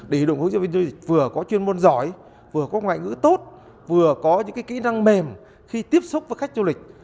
để đội hướng dẫn viên du lịch vừa có chuyên môn giỏi vừa có ngoại ngữ tốt vừa có những kỹ năng mềm khi tiếp xúc với khách du lịch